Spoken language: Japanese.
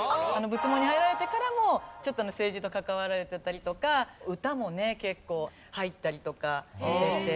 仏門に入られてからもちょっと政治と関わられてたりとか歌もね結構入ったりとかしてて。